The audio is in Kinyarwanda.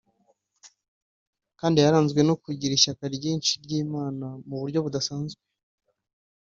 kandi yaranzwe no kugira ishyaka ryinshi ry’Imana mu buryo budasanzwe